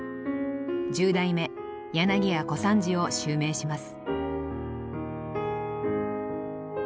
十代目柳家小三治を襲名します。